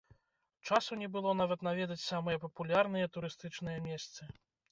Часу не было нават наведаць самыя папулярныя турыстычныя месцы.